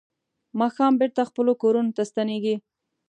ماښام بېرته خپلو کورونو ته ستنېږي.